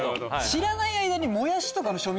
知らない間に。